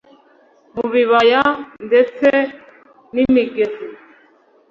mubibaya ndetse nimigezi